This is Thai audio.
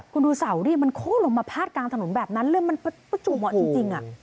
คุณดูเสาดิมันโค้นลงมาพาดกลางถนนแบบนั้นเลือดมันประจวบเหมาะจริง